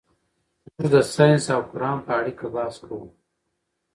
موږ د ساینس او قرآن په اړیکه بحث کوو.